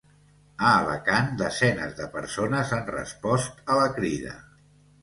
A Alacant, desenes de persones han respost a la crida.